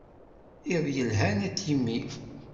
Iḍ yelhan a Timmy.